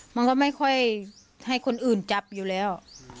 มันก็ไม่ค่อยให้คนอื่นจับอยู่แล้ว